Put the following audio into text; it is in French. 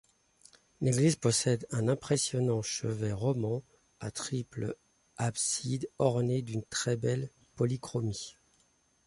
L'église possède un impressionnant chevet roman à triple abside orné d'une très belle polychromie.